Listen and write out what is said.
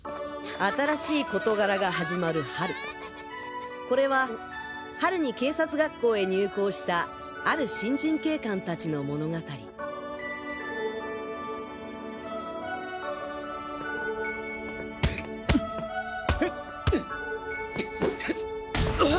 新しい事柄が始まる春これは春に警察学校へ入校したある新人警官たちの物語うっ！